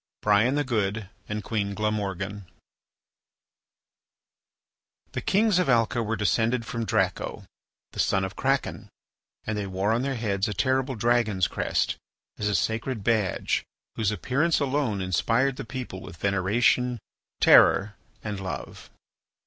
BRIAN THE GOOD AND QUEEN GLAMORGAN The kings of Alca were descended from Draco, the son of Kraken, and they wore on their heads a terrible dragon's crest, as a sacred badge whose appearance alone inspired the people with veneration, terror, and love.